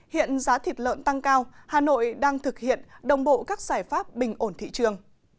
hiện giá thịt lợn tăng cao hà nội đang thực hiện đồng bộ các giải pháp bình ổn thị trường